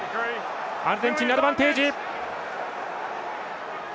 アルゼンチンにアドバンテージ。